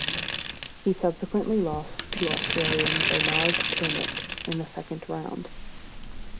He subsequently lost to Australian Bernard Tomic in the second round.